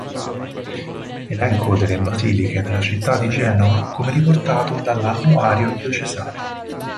Elenco della basiliche della città di Genova come riportato dall'annuario diocesano.